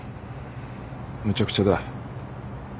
むちゃくちゃだ。